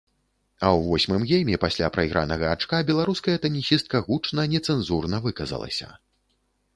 А ў восьмым гейме пасля прайгранага ачка беларуская тэнісістка гучна нецэнзурна выказалася.